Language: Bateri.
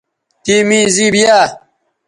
تِے می زِیب یاء